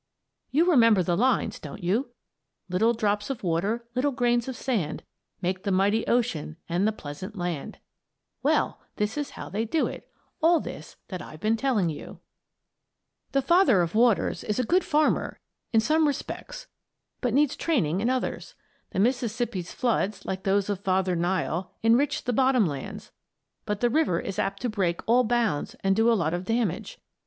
You remember the lines, don't you: "Little drops of water, little grains of sand Make the mighty ocean and the pleasant land." Well, this is how they do it; all this that I've been telling you. [Illustration: Courtesy of the Scientific American. THOUSANDS OF FARMS POURED INTO THE GULF The Father of Waters is a good farmer in some respects but needs training in others. The Mississippi's floods, like those of Father Nile, enrich the bottom lands, but the river is apt to break all bounds and do a lot of damage.